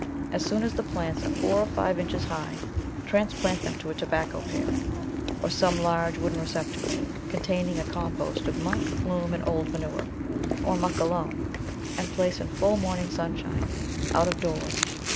As soon as the plants are four or five inches high transplant them to a tobacco pail, or some large wooden receptacle containing a com post of muck, loam, and old manure, or muck alone, and place in full morning sunshine, out of doors.